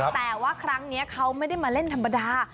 แต่ว่าครั้งนี้เขาไม่ได้มาเล่นธรรมดา